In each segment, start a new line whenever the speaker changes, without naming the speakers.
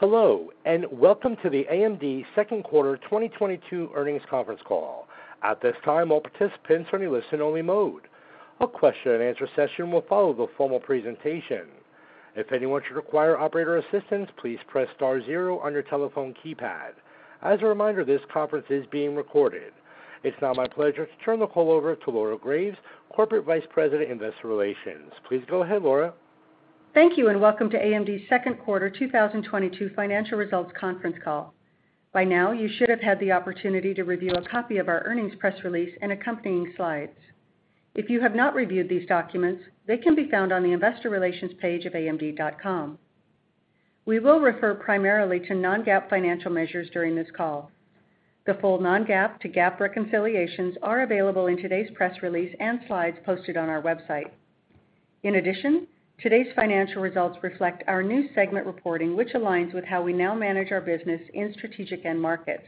Hello, and welcome to the AMD second quarter 2022 earnings conference call. At this time, all participants are in a listen only mode. A question-and-answer session will follow the formal presentation. If anyone should require operator assistance, please press star zero on your telephone keypad. As a reminder, this conference is being recorded. It's now my pleasure to turn the call over to Laura Graves, Corporate Vice President, Investor Relations. Please go ahead, Laura.
Thank you, and welcome to AMD's second quarter 2022 financial results conference call. By now, you should have had the opportunity to review a copy of our earnings press release and accompanying slides. If you have not reviewed these documents, they can be found on the investor relations page of amd.com. We will refer primarily to non-GAAP financial measures during this call. The full non-GAAP to GAAP reconciliations are available in today's press release and slides posted on our website. In addition, today's financial results reflect our new segment reporting, which aligns with how we now manage our business in strategic end markets.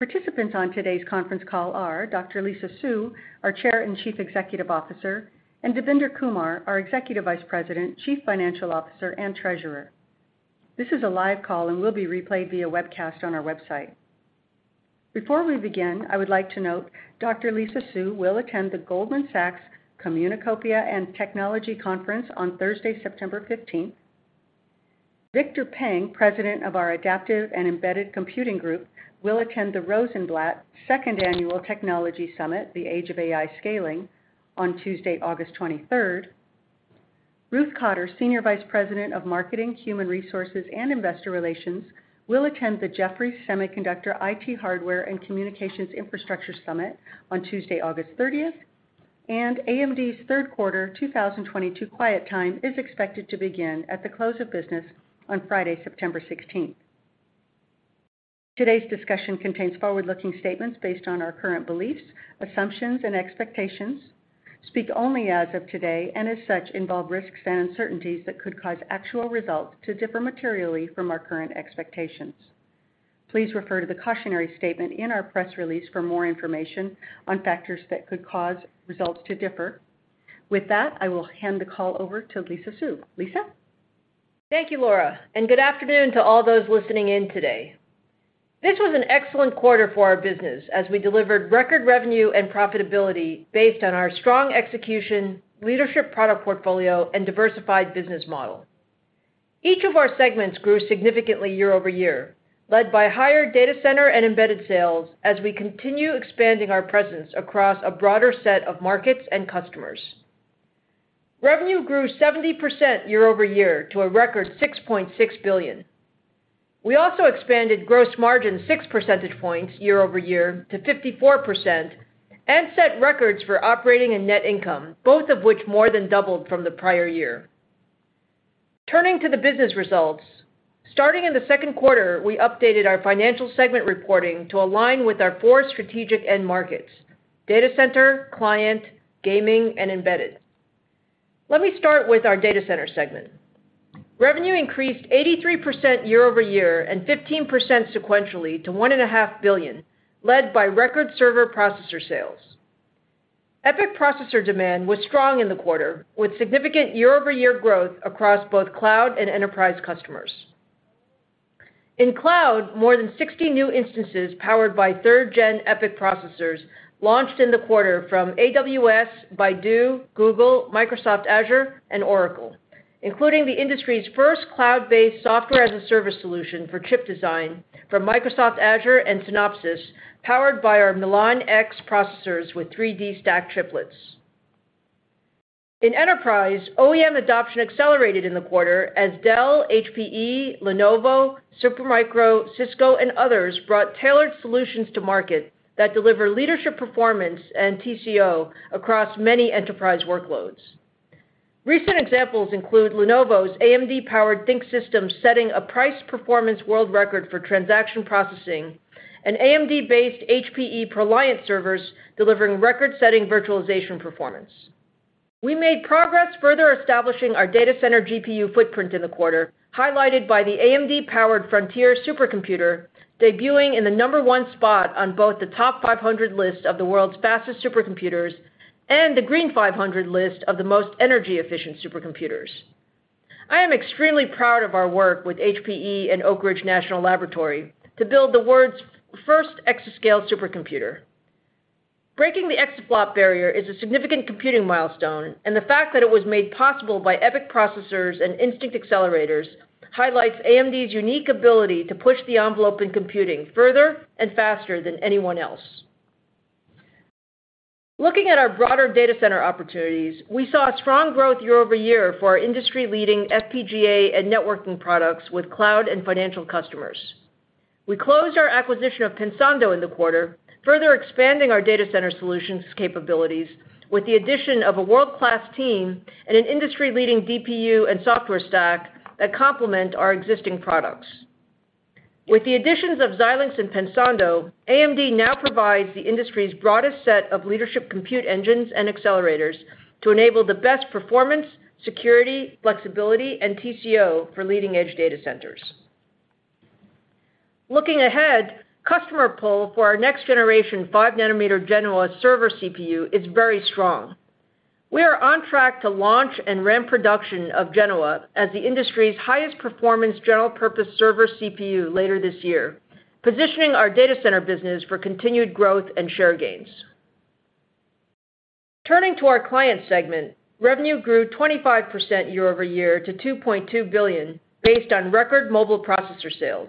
Participants on today's conference call are Dr. Lisa Su, our Chair and Chief Executive Officer, and Devinder Kumar, our Executive Vice President, Chief Financial Officer, and Treasurer. This is a live call and will be replayed via webcast on our website. Before we begin, I would like to note Dr. Lisa Su will attend the Goldman Sachs Communacopia and Technology Conference on Thursday, September 15. Victor Peng, President of our Adaptive and Embedded Computing Group, will attend the Rosenblatt Second Annual Technology Summit, The Age of AI Scaling, on Tuesday, August 23. Ruth Cotter, Senior Vice President of Marketing, Human Resources, and Investor Relations, will attend the Jefferies Semiconductor, IT Hardware, and Communications Infrastructure Summit on Tuesday, August 30. AMD's third quarter 2022 quiet period is expected to begin at the close of business on Friday, September 16. Today's discussion contains forward-looking statements based on our current beliefs, assumptions, and expectations, speak only as of today, and as such, involve risks and uncertainties that could cause actual results to differ materially from our current expectations. Please refer to the cautionary statement in our press release for more information on factors that could cause results to differ. With that, I will hand the call over to Lisa Su. Lisa?
Thank you, Laura, and good afternoon to all those listening in today. This was an excellent quarter for our business as we delivered record revenue and profitability based on our strong execution, leadership product portfolio, and diversified business model. Each of our segments grew significantly year-over-year, led by higher data center and embedded sales as we continue expanding our presence across a broader set of markets and customers. Revenue grew 70% year-over-year to a record $6.6 billion. We also expanded gross margin six percentage points year-over-year to 54% and set records for operating and net income, both of which more than doubled from the prior year. Turning to the business results, starting in the second quarter, we updated our financial segment reporting to align with our four strategic end markets, data center, client, gaming, and embedded. Let me start with our data center segment. Revenue increased 83% year-over-year and 15% sequentially to $1.5 billion, led by record server processor sales. EPYC processor demand was strong in the quarter, with significant year-over-year growth across both cloud and enterprise customers. In cloud, more than 60 new instances powered by 3rd gen EPYC processors launched in the quarter from AWS, Baidu, Google, Microsoft Azure, and Oracle, including the industry's first cloud-based software as a service solution for chip design from Microsoft Azure and Synopsys, powered by our Milan-X processors with 3D stacked triplets. In enterprise, OEM adoption accelerated in the quarter as Dell, HPE, Lenovo, Supermicro, Cisco, and others brought tailored solutions to market that deliver leadership performance and TCO across many enterprise workloads. Recent examples include Lenovo's AMD-powered ThinkSystem setting a price performance world record for transaction processing and AMD-based HPE ProLiant servers delivering record-setting virtualization performance. We made progress further establishing our data center GPU footprint in the quarter, highlighted by the AMD-powered Frontier supercomputer debuting in the number one spot on both the TOP500 list of the world's fastest supercomputers and the Green500 list of the most energy efficient supercomputers. I am extremely proud of our work with HPE and Oak Ridge National Laboratory to build the world's first exascale supercomputer. Breaking the exaflop barrier is a significant computing milestone, and the fact that it was made possible by EPYC processors and Instinct accelerators highlights AMD's unique ability to push the envelope in computing further and faster than anyone else. Looking at our broader data center opportunities, we saw a strong growth year-over-year for our industry-leading FPGA and networking products with cloud and financial customers. We closed our acquisition of Pensando in the quarter, further expanding our data center solutions capabilities with the addition of a world-class team and an industry-leading DPU and software stack that complement our existing products. With the additions of Xilinx and Pensando, AMD now provides the industry's broadest set of leadership compute engines and accelerators to enable the best performance, security, flexibility, and TCO for leading-edge data centers. Looking ahead, customer pull for our next generation 5 nm Genoa server CPU is very strong. We are on track to launch and ramp production of Genoa as the industry's highest performance general purpose server CPU later this year, positioning our data center business for continued growth and share gains. Turning to our client segment, revenue grew 25% year-over-year to $2.2 billion based on record mobile processor sales.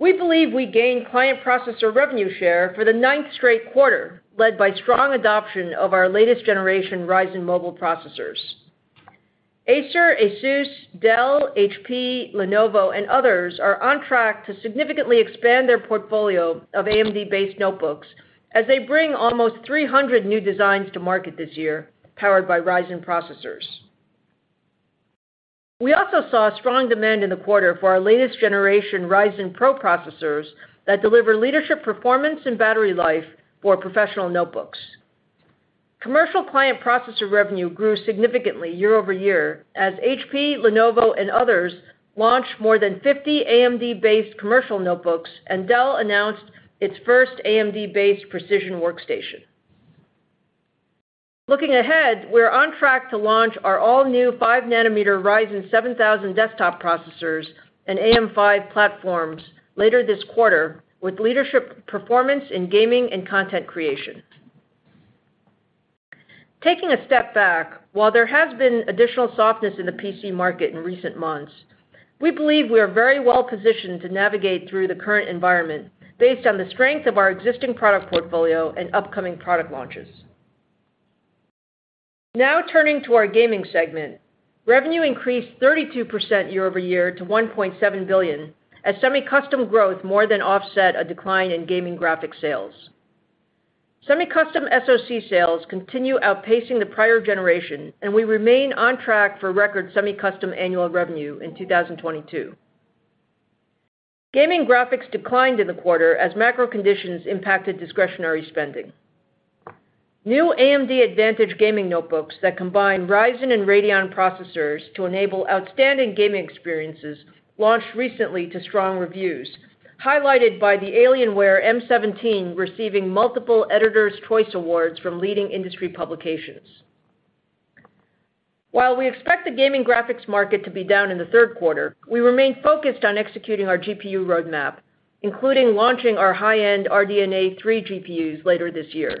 We believe we gained client processor revenue share for the ninth straight quarter, led by strong adoption of our latest generation Ryzen mobile processors. Acer, ASUS, Dell, HP, Lenovo, and others are on track to significantly expand their portfolio of AMD-based notebooks as they bring almost 300 new designs to market this year, powered by Ryzen processors. We also saw strong demand in the quarter for our latest generation Ryzen PRO processors that deliver leadership performance and battery life for professional notebooks. Commercial client processor revenue grew significantly year-over-year as HP, Lenovo, and others launched more than 50 AMD-based commercial notebooks, and Dell announced its first AMD-based Precision workstation. Looking ahead, we're on track to launch our all-new 5nm Ryzen 7000 desktop processors and AM5 platforms later this quarter with leadership performance in gaming and content creation. Taking a step back, while there has been additional softness in the PC market in recent months, we believe we are very well positioned to navigate through the current environment based on the strength of our existing product portfolio and upcoming product launches. Now turning to our gaming segment. Revenue increased 32% year-over-year to $1.7 billion as semi-custom growth more than offset a decline in gaming graphics sales. Semi-custom SoC sales continue outpacing the prior generation, and we remain on track for record semi-custom annual revenue in 2022. Gaming graphics declined in the quarter as macro conditions impacted discretionary spending. New AMD Advantage gaming notebooks that combine Ryzen and Radeon processors to enable outstanding gaming experiences launched recently to strong reviews, highlighted by the Alienware m17 receiving multiple Editor's Choice Awards from leading industry publications. While we expect the gaming graphics market to be down in the third quarter, we remain focused on executing our GPU roadmap, including launching our high-end RDNA 3 GPUs later this year.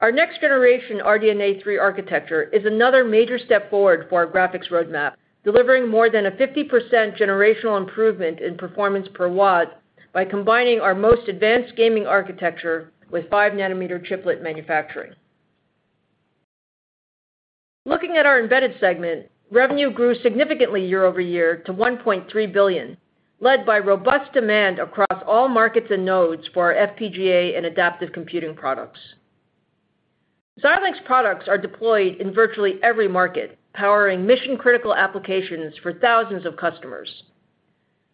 Our next-generation RDNA 3 architecture is another major step forward for our graphics roadmap, delivering more than a 50% generational improvement in performance per watt by combining our most advanced gaming architecture with 5 nm chiplet manufacturing. Looking at our embedded segment, revenue grew significantly year-over-year to $1.3 billion, led by robust demand across all markets and nodes for our FPGA and adaptive computing products. Xilinx products are deployed in virtually every market, powering mission-critical applications for thousands of customers.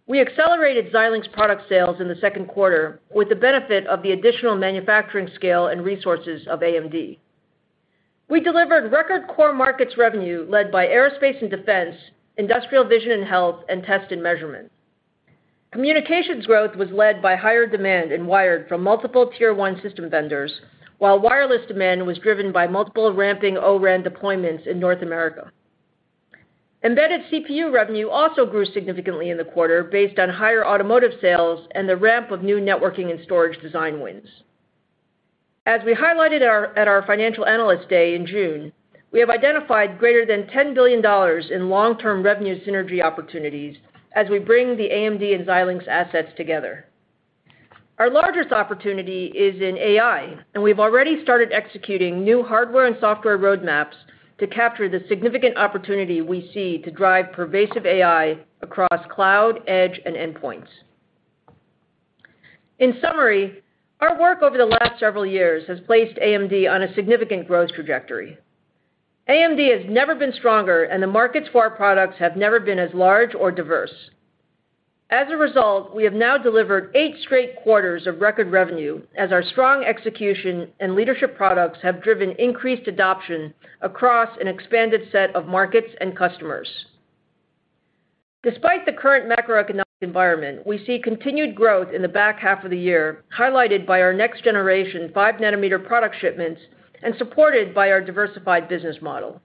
We accelerated Xilinx product sales in the second quarter with the benefit of the additional manufacturing scale and resources of AMD. We delivered record core markets revenue led by aerospace and defense, industrial vision and health, and test and measurement. Communications growth was led by higher demand in wired from multiple tier one system vendors, while wireless demand was driven by multiple ramping O-RAN deployments in North America. Embedded CPU revenue also grew significantly in the quarter based on higher automotive sales and the ramp of new networking and storage design wins. As we highlighted at our Financial Analyst Day in June, we have identified greater than $10 billion in long-term revenue synergy opportunities as we bring the AMD and Xilinx assets together. Our largest opportunity is in AI, and we've already started executing new hardware and software roadmaps to capture the significant opportunity we see to drive pervasive AI across cloud, edge, and endpoints. In summary, our work over the last several years has placed AMD on a significant growth trajectory. AMD has never been stronger, and the markets for our products have never been as large or diverse. As a result, we have now delivered eight straight quarters of record revenue as our strong execution and leadership products have driven increased adoption across an expanded set of markets and customers. Despite the current macroeconomic environment, we see continued growth in the back half of the year, highlighted by our next generation 5 nm product shipments and supported by our diversified business model.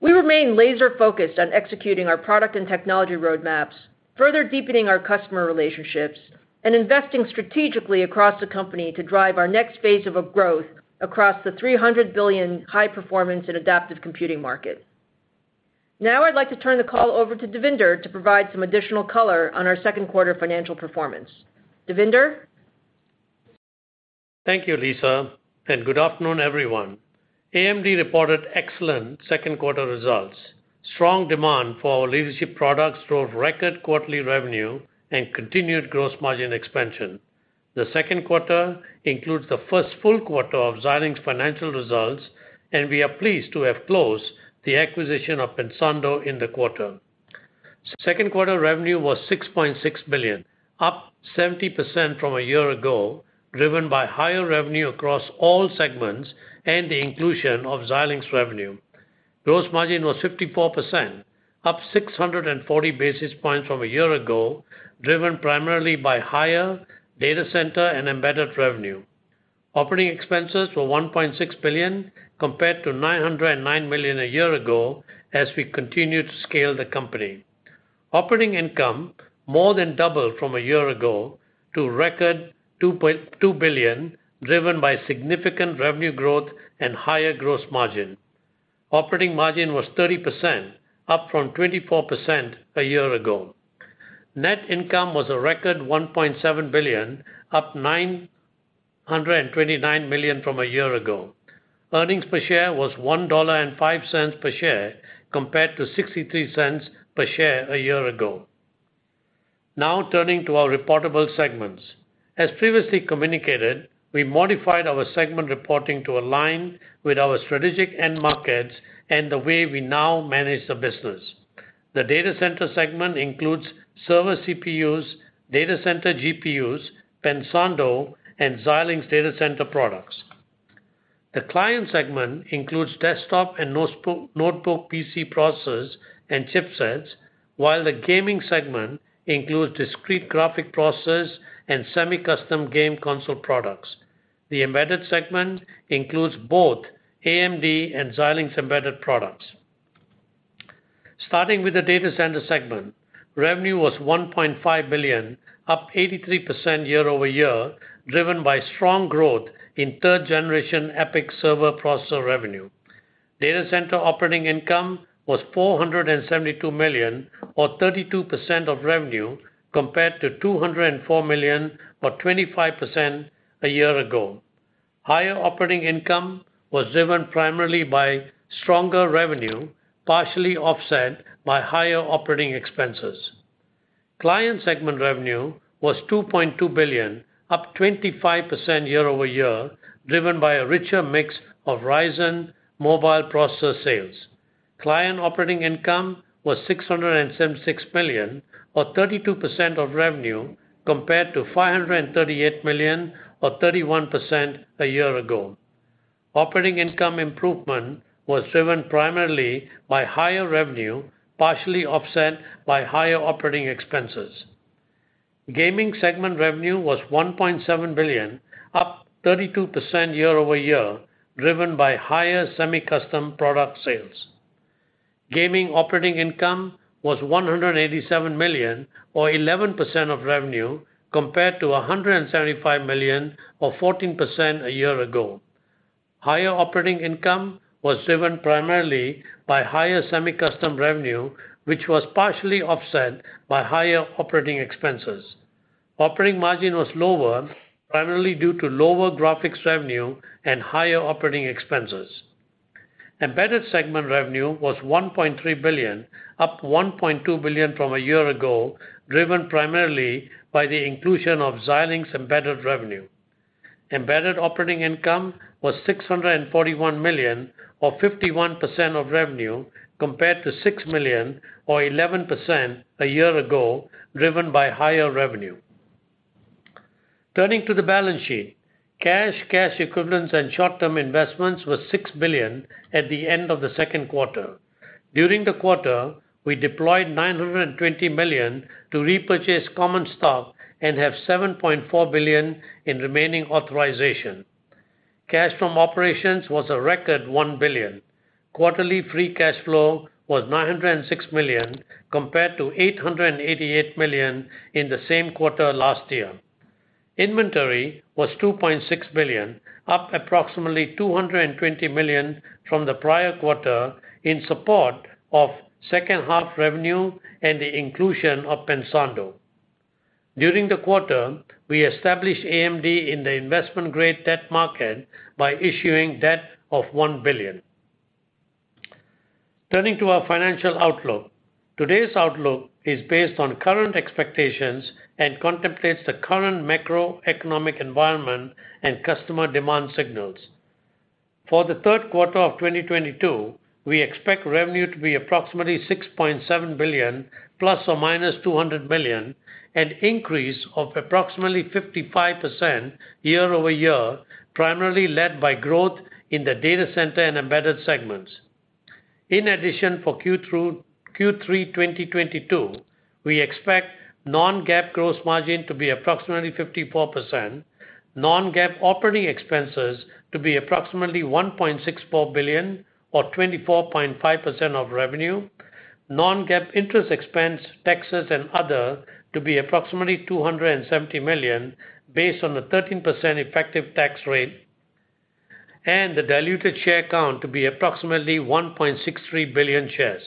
We remain laser-focused on executing our product and technology roadmaps, further deepening our customer relationships and investing strategically across the company to drive our next phase of a growth across the $300 billion high-performance and adaptive computing market. Now I'd like to turn the call over to Devinder to provide some additional color on our second quarter financial performance. Devinder?
Thank you, Lisa, and good afternoon, everyone. AMD reported excellent second quarter results. Strong demand for our leadership products drove record quarterly revenue and continued gross margin expansion. The second quarter includes the first full quarter of Xilinx financial results, and we are pleased to have closed the acquisition of Pensando in the quarter. Second quarter revenue was $6.6 billion, up 70% from a year ago, driven by higher revenue across all segments and the inclusion of Xilinx revenue. Gross margin was 54%, up 640 basis points from a year ago, driven primarily by higher data center and embedded revenue. Operating expenses were $1.6 billion compared to $909 million a year ago as we continued to scale the company. Operating income more than doubled from a year ago to record $2 billion, driven by significant revenue growth and higher gross margin. Operating margin was 30%, up from 24% a year ago. Net income was a record $1.7 billion, up $929 million from a year ago. Earnings per share was $1.05 per share compared to $0.63 per share a year ago. Now turning to our reportable segments. As previously communicated, we modified our segment reporting to align with our strategic end markets and the way we now manage the business. The data center segment includes server CPUs, data center GPUs, Pensando, and Xilinx data center products. The client segment includes desktop and notebook PC processors and chipsets, while the gaming segment includes discrete graphics processors and semi-custom game console products. The embedded segment includes both AMD and Xilinx embedded products. Starting with the data center segment, revenue was $1.5 billion, up 83% year-over-year, driven by strong growth in third generation EPYC server processor revenue. Data center operating income was $472 million or 32% of revenue, compared to $204 million or 25% a year ago. Higher operating income was driven primarily by stronger revenue, partially offset by higher operating expenses. Client segment revenue was $2.2 billion, up 25% year-over-year, driven by a richer mix of Ryzen mobile processor sales. Client operating income was $676 million or 32% of revenue, compared to $538 million or 31% a year ago. Operating income improvement was driven primarily by higher revenue, partially offset by higher operating expenses. Gaming segment revenue was $1.7 billion, up 32% year-over-year, driven by higher semi-custom product sales. Gaming operating income was $187 million or 11% of revenue, compared to $175 million or 14% a year ago. Higher operating income was driven primarily by higher semi-custom revenue, which was partially offset by higher operating expenses. Operating margin was lower, primarily due to lower graphics revenue and higher operating expenses. Embedded segment revenue was $1.3 billion, up $1.2 billion from a year ago, driven primarily by the inclusion of Xilinx embedded revenue. Embedded operating income was $641 million or 51% of revenue, compared to $6 million or 11% a year ago, driven by higher revenue. Turning to the balance sheet. Cash, cash equivalents and short-term investments were $6 billion at the end of the second quarter. During the quarter, we deployed $920 million to repurchase common stock and have $7.4 billion in remaining authorization. Cash from operations was a record $1 billion. Quarterly free cash flow was $906 million, compared to $888 million in the same quarter last year. Inventory was $2.6 billion, up approximately $220 million from the prior quarter in support of second half revenue and the inclusion of Pensando. During the quarter, we established AMD in the investment-grade debt market by issuing debt of $1 billion. Turning to our financial outlook. Today's outlook is based on current expectations and contemplates the current macroeconomic environment and customer demand signals. For the third quarter of 2022, we expect revenue to be approximately $6.7 billion ± $200 million, an increase of approximately 55% year-over-year, primarily led by growth in the data center and embedded segments. In addition, for Q3, 2022, we expect non-GAAP gross margin to be approximately 54%, non-GAAP operating expenses to be approximately $1.64 billion or 24.5% of revenue, non-GAAP interest expense, taxes and other to be approximately $270 million based on the 13% effective tax rate and the diluted share count to be approximately 1.63 billion shares.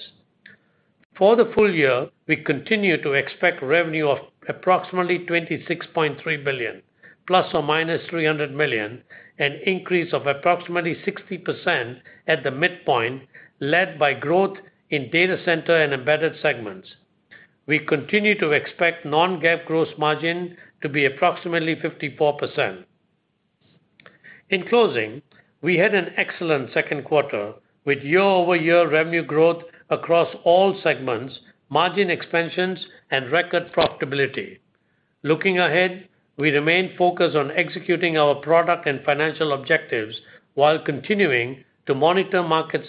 For the full year, we continue to expect revenue of approximately $26.3 billion ± $300 million, an increase of approximately 60% at the midpoint, led by growth in data center and embedded segments. We continue to expect non-GAAP gross margin to be approximately 54%. In closing, we had an excellent second quarter with year-over-year revenue growth across all segments, margin expansions and record profitability. Looking ahead, we remain focused on executing our product and financial objectives while continuing to monitor market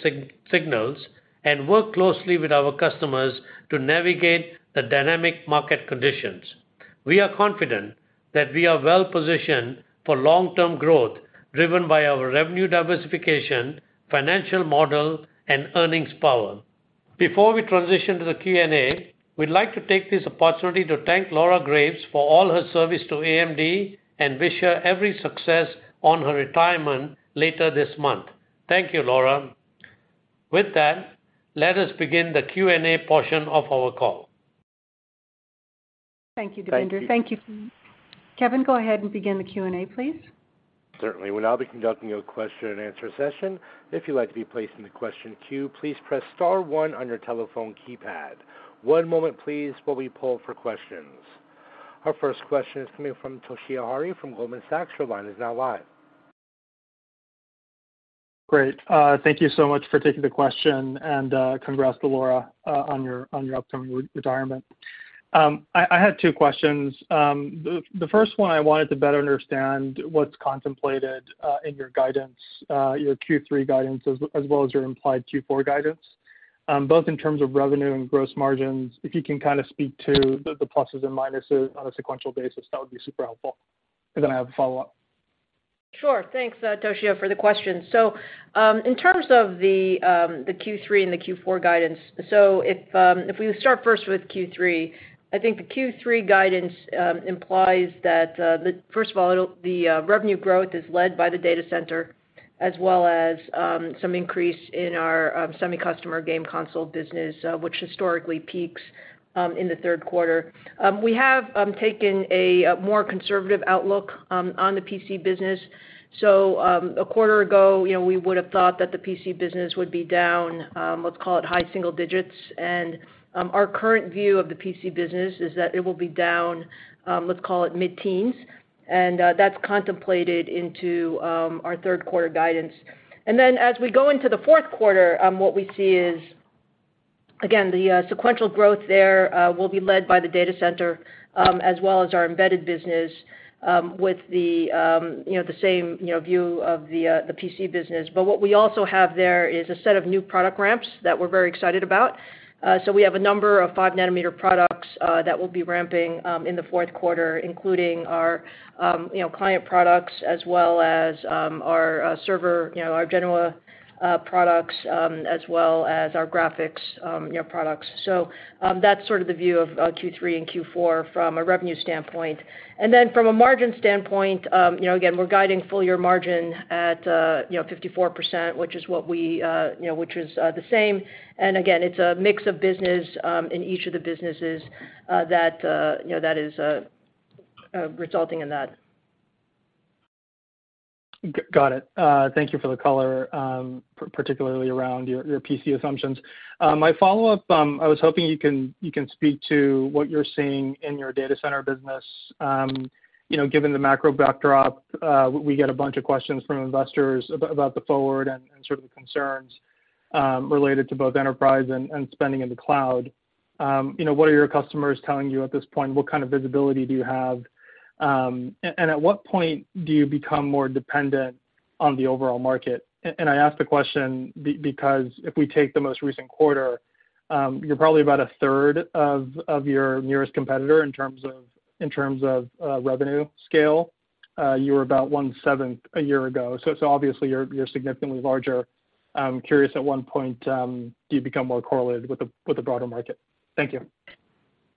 signals and work closely with our customers to navigate the dynamic market conditions. We are confident that we are well-positioned for long-term growth, driven by our revenue diversification, financial model, and earnings power. Before we transition to the Q&A, we'd like to take this opportunity to thank Laura Graves for all her service to AMD and wish her every success on her retirement later this month. Thank you, Laura. With that, let us begin the Q&A portion of our call.
Thank you, Devinder.
Thank you.
Thank you. Kevin, go ahead and begin the Q&A, please.
Certainly. We'll now be conducting a question-and-answer session. If you'd like to be placed in the question queue, please press star one on your telephone keypad. One moment, please, while we poll for questions. Our first question is coming from Toshiya Hari from Goldman Sachs. Your line is now live.
Great. Thank you so much for taking the question, and congrats to Laura on your upcoming re-retirement. I had two questions. The first one I wanted to better understand what's contemplated in your guidance, your Q3 guidance as well as your implied Q4 guidance, both in terms of revenue and gross margins. If you can kinda speak to the pluses and minuses on a sequential basis, that would be super helpful. I have a follow-up.
Sure. Thanks, Toshiya, for the question. In terms of the Q3 and the Q4 guidance, if we start first with Q3, I think the Q3 guidance implies that first of all, the revenue growth is led by the data center as well as some increase in our semi-customer game console business, which historically peaks in the third quarter. We have taken a more conservative outlook on the PC business. A quarter ago, you know, we would've thought that the PC business would be down, let's call it high single digits. Our current view of the PC business is that it will be down, let's call it mid-teens. That's contemplated into our third quarter guidance. As we go into the fourth quarter, what we see is, again, the sequential growth there will be led by the data center as well as our embedded business, with you know the same you know view of the PC business. What we also have there is a set of new product ramps that we're very excited about. We have a number of 5 nm products that we'll be ramping in the fourth quarter, including our you know client products as well as our server you know our Genoa products as well as our graphics you know products. That's sort of the view of Q3 and Q4 from a revenue standpoint. From a margin standpoint, you know, again, we're guiding full-year margin at, you know, 54%, which is the same. Again, it's a mix of business in each of the businesses that, you know, is resulting in that.
Got it. Thank you for the color, particularly around your PC assumptions. My follow-up, I was hoping you can speak to what you're seeing in your data center business. You know, given the macro backdrop, we get a bunch of questions from investors about the forward and sort of the concerns related to both enterprise and spending in the cloud. You know, what are your customers telling you at this point? What kind of visibility do you have? And at what point do you become more dependent on the overall market? And I ask the question because if we take the most recent quarter, you're probably about 1/3 of your nearest competitor in terms of revenue scale. You were about 1/7 a year ago. Obviously you're significantly larger. I'm curious at what point do you become more correlated with the broader market? Thank you.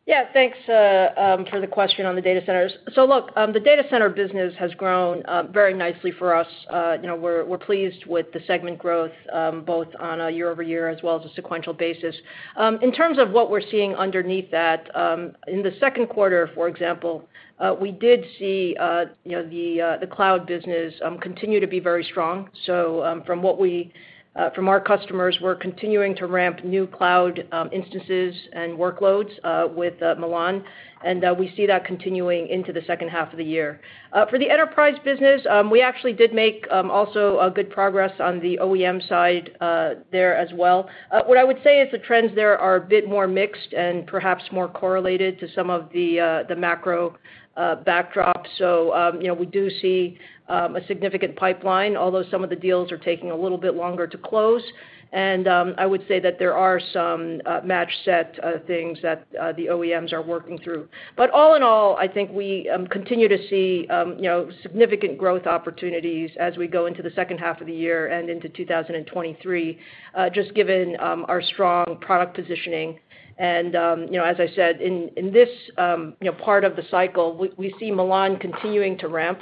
Yeah. Thanks for the question on the data centers. Look, the data center business has grown very nicely for us. You know, we're pleased with the segment growth both on a year-over-year as well as a sequential basis. In terms of what we're seeing underneath that, in the second quarter, for example, we did see you know, the cloud business continue to be very strong. From our customers, we're continuing to ramp new cloud instances and workloads with Milan. We see that continuing into the second half of the year. For the enterprise business, we actually did make also good progress on the OEM side there as well. What I would say is the trends there are a bit more mixed and perhaps more correlated to some of the macro backdrops. You know, we do see a significant pipeline, although some of the deals are taking a little bit longer to close. I would say that there are some match set things that the OEMs are working through. All in all, I think we continue to see, you know, significant growth opportunities as we go into the second half of the year and into 2023, just given our strong product positioning. You know, as I said, in this, you know, part of the cycle, we see Milan continuing to ramp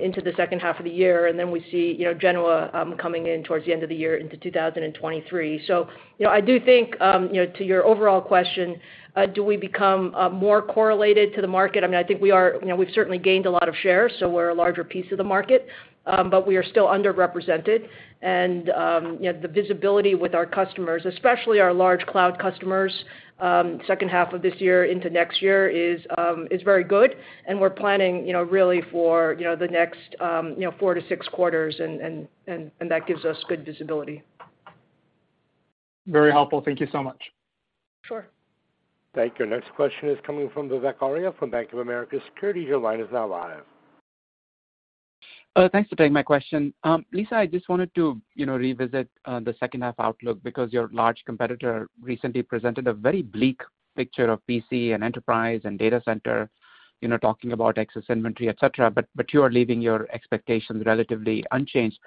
into the second half of the year, and then we see, you know, Genoa coming in towards the end of the year into 2023. You know, I do think, to your overall question, do we become more correlated to the market? I mean, I think we are. You know, we've certainly gained a lot of shares, so we're a larger piece of the market, but we are still underrepresented. You know, the visibility with our customers, especially our large cloud customers, second half of this year into next year is very good, and we're planning, you know, really for, you know, the next, you know, 4-6 quarters, and that gives us good visibility.
Very helpful. Thank you so much.
Sure.
Thank you. Next question is coming from Vivek Arya from Bank of America Securities. Your line is now live.
Thanks for taking my question. Lisa, I just wanted to, you know, revisit the second half outlook because your large competitor recently presented a very bleak picture of PC and enterprise and data center, you know, talking about excess inventory, et cetera, but you are leaving your expectations relatively unchanged.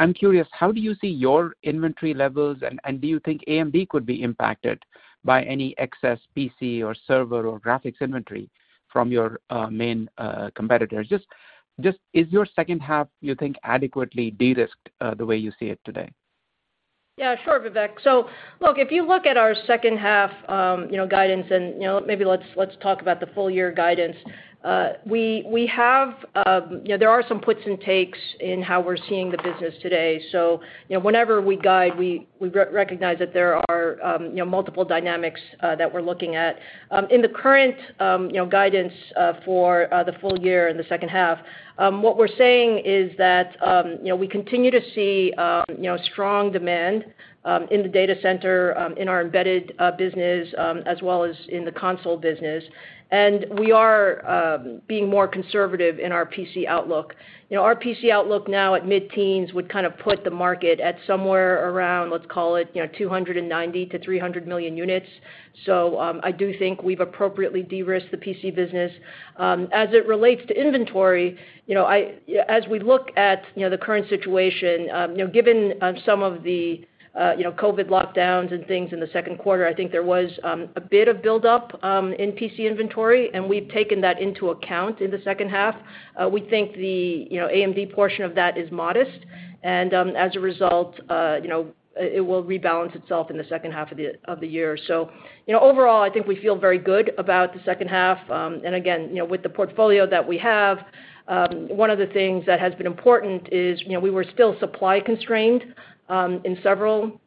I'm curious, how do you see your inventory levels and do you think AMD could be impacted by any excess PC or server or graphics inventory from your main competitors? Just is your second half, you think, adequately de-risked the way you see it today?
Yeah, sure, Vivek. Look, if you look at our second half, you know, guidance and, you know, maybe let's talk about the full year guidance. We have, you know, there are some puts and takes in how we're seeing the business today. You know, whenever we guide, we recognize that there are, you know, multiple dynamics that we're looking at. In the current, you know, guidance for the full year and the second half, what we're saying is that, you know, we continue to see, you know, strong demand in the data center, in our embedded business, as well as in the console business. We are being more conservative in our PC outlook. You know, our PC outlook now at mid-teens would kind of put the market at somewhere around, let's call it, you know, 290 million-300 million units. I do think we've appropriately de-risked the PC business. As it relates to inventory, you know, as we look at you know the current situation you know given some of the you know COVID lockdowns and things in the second quarter, I think there was a bit of buildup in PC inventory, and we've taken that into account in the second half. We think you know the AMD portion of that is modest. As a result, you know, it will rebalance itself in the second half of the year. You know, overall, I think we feel very good about the second half. Again, you know, with the portfolio that we have, one of the things that has been important is, you know, we were still supply constrained in several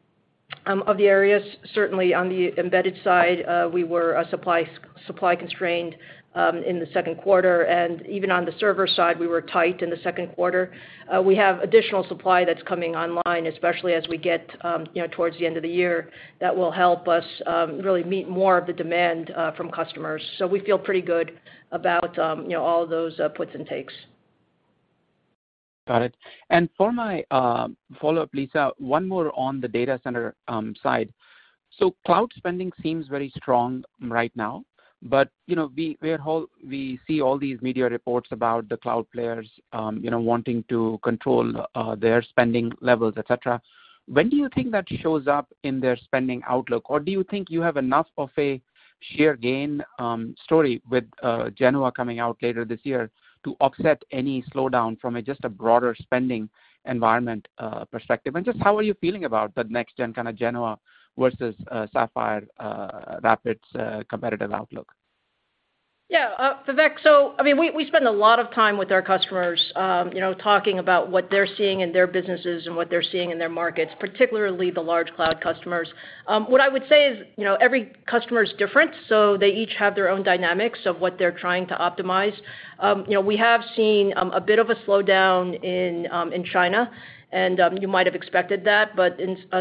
of the areas. Certainly on the embedded side, we were supply constrained in the second quarter, and even on the server side, we were tight in the second quarter. We have additional supply that's coming online, especially as we get, you know, towards the end of the year that will help us really meet more of the demand from customers. We feel pretty good about, you know, all of those puts and takes.
Got it. For my follow-up, Lisa, one more on the data center side. Cloud spending seems very strong right now, but you know, we see all these media reports about the cloud players you know, wanting to control their spending levels, et cetera. When do you think that shows up in their spending outlook, or do you think you have enough of a share gain story with Genoa coming out later this year to offset any slowdown from just a broader spending environment perspective? Just how are you feeling about the next-gen kind of Genoa versus Sapphire Rapids competitive outlook?
Yeah. Vivek. I mean, we spend a lot of time with our customers, you know, talking about what they're seeing in their businesses and what they're seeing in their markets, particularly the large cloud customers. What I would say is, you know, every customer is different, so they each have their own dynamics of what they're trying to optimize. You know, we have seen a bit of a slowdown in China and you might have expected that, but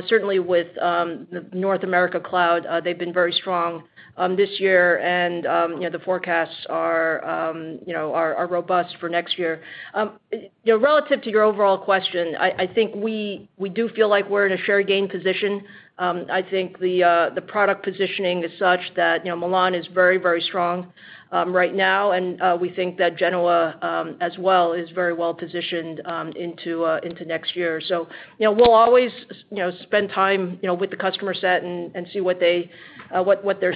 certainly with North America Cloud, they've been very strong this year. You know, the forecasts are robust for next year. You know, relative to your overall question, I think we do feel like we're in a share gain position. I think the product positioning is such that, you know, Milan is very strong right now. We think that Genoa as well is very well positioned into next year. We'll always, you know, spend time, you know, with the customer set and see what they're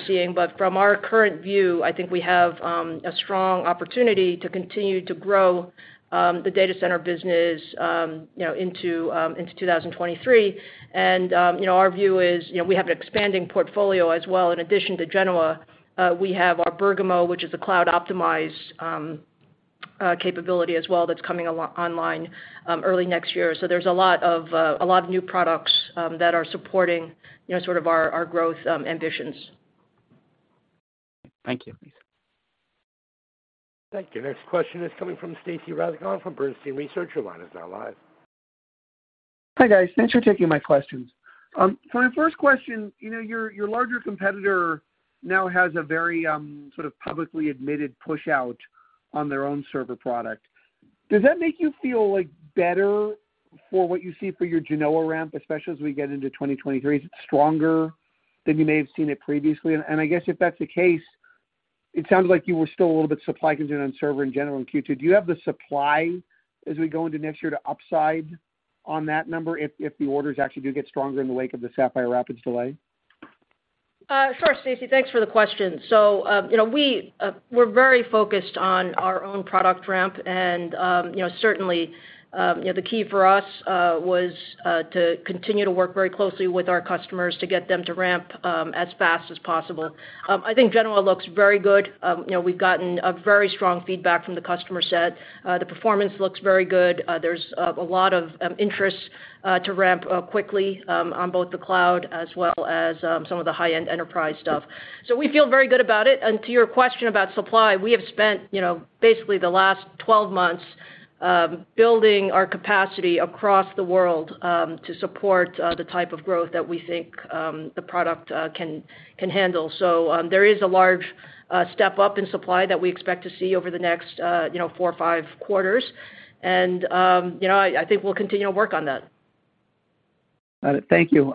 seeing. From our current view, I think we have a strong opportunity to continue to grow the data center business, you know, into 2023. Our view is, you know, we have an expanding portfolio as well. In addition to Genoa, we have our Bergamo, which is a cloud-optimized capability as well that's coming online early next year. There's a lot of new products that are supporting, you know, sort of our growth ambitions.
Thank you.
Thank you. Next question is coming from Stacy Rasgon from Bernstein Research. Your line is now live.
Hi, guys. Thanks for taking my questions. For my first question, you know, your larger competitor now has a very sort of publicly admitted push out on their own server product. Does that make you feel better for what you see for your Genoa ramp, especially as we get into 2023? Is it stronger than you may have seen it previously? I guess if that's the case, it sounds like you were still a little bit supply constrained on server in general in Q2. Do you have the supply as we go into next year to upside on that number if the orders actually do get stronger in the wake of the Sapphire Rapids delay?
Sure, Stacy, thanks for the question. You know, we're very focused on our own product ramp and, you know, certainly, you know, the key for us was to continue to work very closely with our customers to get them to ramp as fast as possible. I think Genoa looks very good. You know, we've gotten a very strong feedback from the customer set. The performance looks very good. There's a lot of interest to ramp quickly on both the cloud as well as some of the high-end enterprise stuff. We feel very good about it. To your question about supply, we have spent, you know, basically the last 12 months building our capacity across the world to support the type of growth that we think the product can handle. There is a large step up in supply that we expect to see over the next, you know, 4 or 5 quarters. You know, I think we'll continue to work on that.
Got it. Thank you.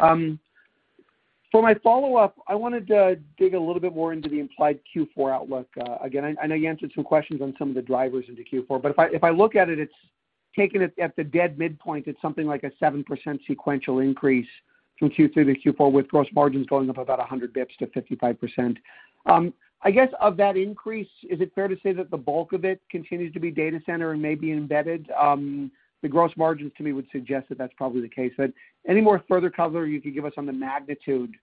For my follow-up, I wanted to dig a little bit more into the implied Q4 outlook. Again, I know you answered some questions on some of the drivers into Q4, but if I look at it's taken at the dead midpoint, it's something like a 7% sequential increase from Q3 to Q4, with gross margins going up about 100 basis points to 55%. I guess, of that increase, is it fair to say that the bulk of it continues to be data center and maybe embedded? The gross margins to me would suggest that that's probably the case. Any more further color you could give us on the magnitude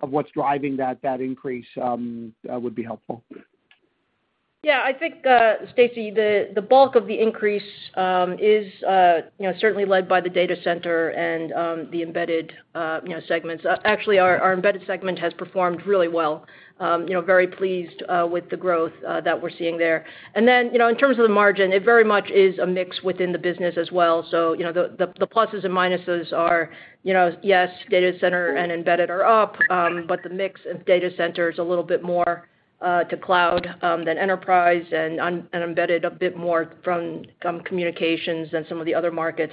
of what's driving that increase would be helpful.
Yeah. I think, Stacy, the bulk of the increase is, you know, certainly led by the data center and the embedded, you know, segments. Actually, our embedded segment has performed really well. You know, very pleased with the growth that we're seeing there. Then, you know, in terms of the margin, it very much is a mix within the business as well. You know, the pluses and minuses are, you know, yes, data center and embedded are up, but the mix of data center is a little bit more to cloud than enterprise and embedded a bit more from communications than some of the other markets.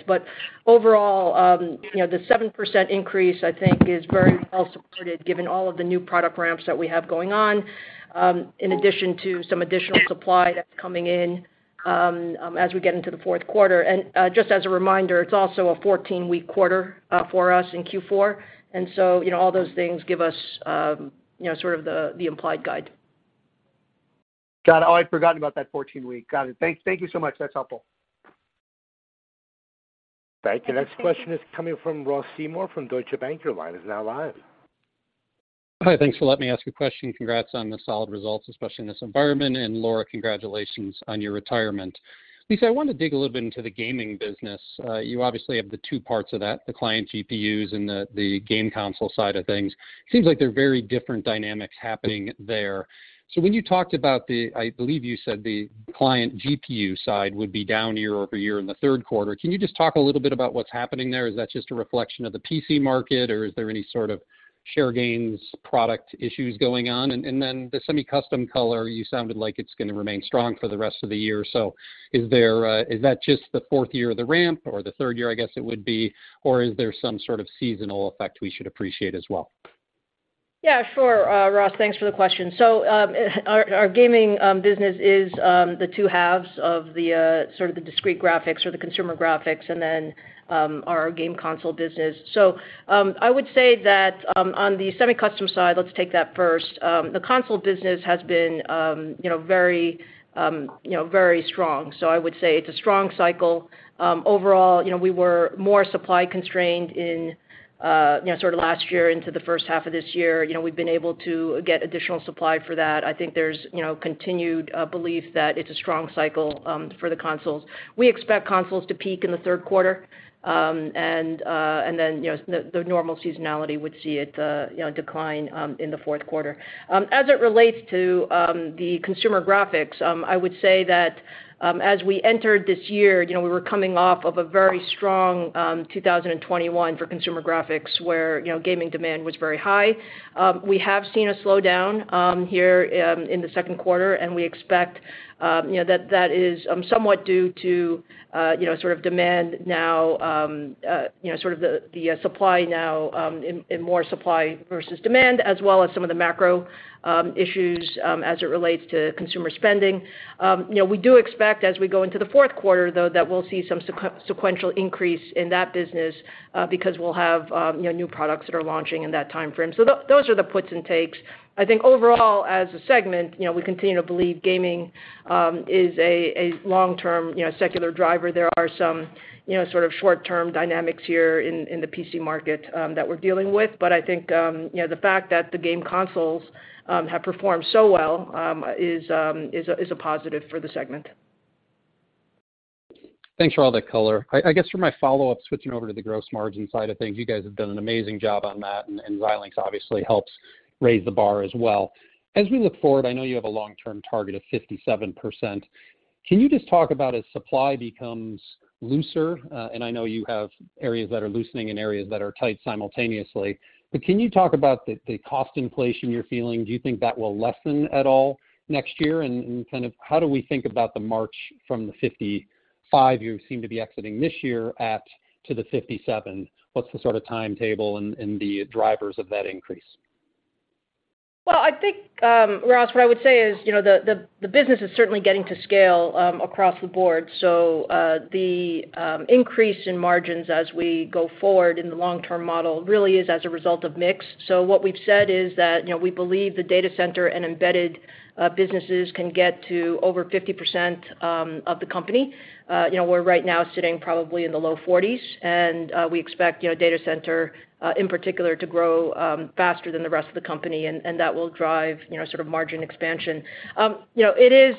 Overall, you know, the 7% increase, I think is very well supported given all of the new product ramps that we have going on, in addition to some additional supply that's coming in, as we get into the fourth quarter. Just as a reminder, it's also a 14-week quarter for us in Q4, and so, you know, all those things give us, you know, sort of the implied guide.
Got it. Oh, I'd forgotten about that 14-week. Got it. Thank you so much. That's helpful.
Thank you. Next question is coming from Ross Seymore from Deutsche Bank. Your line is now live.
Hi. Thanks for letting me ask a question. Congrats on the solid results, especially in this environment. Laura, congratulations on your retirement. Lisa, I wanna dig a little bit into the gaming business. You obviously have the two parts of that, the client GPUs and the game console side of things. It seems like there are very different dynamics happening there. When you talked about the, I believe you said the client GPU side would be down year-over-year in the third quarter, can you just talk a little bit about what's happening there? Is that just a reflection of the PC market, or is there any sort of share gains, product issues going on? And then the semi-custom SoC, you sounded like it's gonna remain strong for the rest of the year. Is that just the fourth year of the ramp or the third year, I guess it would be, or is there some sort of seasonal effect we should appreciate as well?
Yeah, sure, Ross, thanks for the question. Our gaming business is the two halves of the sort of the discrete graphics or the consumer graphics and then, our game console business. I would say that, on the semi-custom side, let's take that first. The console business has been, you know, very, you know, very strong. I would say it's a strong cycle. Overall, you know, we were more supply constrained in, you know, sort of last year into the first half of this year. You know, we've been able to get additional supply for that. I think there's, you know, continued belief that it's a strong cycle, for the consoles. We expect consoles to peak in the third quarter. The normal seasonality would see it decline in the fourth quarter. As it relates to the consumer graphics, I would say that as we entered this year, you know, we were coming off of a very strong 2021 for consumer graphics, where, you know, gaming demand was very high. We have seen a slowdown here in the second quarter, and we expect that is somewhat due to, you know, sort of demand now, you know, sort of the supply now in more supply versus demand, as well as some of the macro issues as it relates to consumer spending. You know, we do expect as we go into the fourth quarter, though, that we'll see some sequential increase in that business, because we'll have, you know, new products that are launching in that timeframe. So those are the puts and takes. I think overall, as a segment, you know, we continue to believe gaming is a long-term, you know, secular driver. There are some, you know, sort of short-term dynamics here in the PC market that we're dealing with. But I think, you know, the fact that the game consoles have performed so well is a positive for the segment.
Thanks for all that color. I guess for my follow-up, switching over to the gross margin side of things, you guys have done an amazing job on that, and Xilinx obviously helps raise the bar as well. As we look forward, I know you have a long-term target of 57%. Can you just talk about as supply becomes looser, and I know you have areas that are loosening and areas that are tight simultaneously, but can you talk about the cost inflation you're feeling? Do you think that will lessen at all next year? Kind of how do we think about the march from the 55 you seem to be exiting this year at to the 57? What's the sort of timetable and the drivers of that increase?
Well, I think, Ross, what I would say is, you know, the business is certainly getting to scale across the board. The increase in margins as we go forward in the long-term model really is as a result of mix. What we've said is that, you know, we believe the data center and embedded businesses can get to over 50% of the company. You know, we're right now sitting probably in the low 40s, and we expect, you know, data center in particular to grow faster than the rest of the company, and that will drive, you know, sort of margin expansion. You know, it is,